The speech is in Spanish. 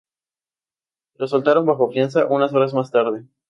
Lo soltaron bajo fianza unas horas más tarde.